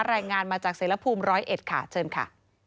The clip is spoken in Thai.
รายงานมาจากเสร็จละภูมิจังหวัด๑๐๑ค่ะเชิญค่ะ